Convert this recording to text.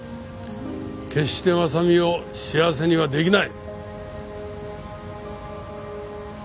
決して真実を幸せには出来ない。